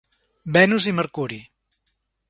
Venus i Mercuri.